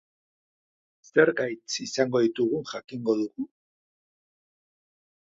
Zer gaitz izango ditugun jakingo dugu?